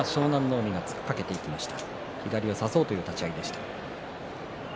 海が突っかけていきました。